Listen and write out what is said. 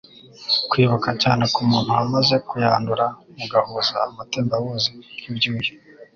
kwikuba cyane ku muntu wamaze kuyandura mugahuza amatembabuzi nk'ibyuya.